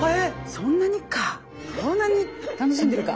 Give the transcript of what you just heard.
そんなに楽しんでるか。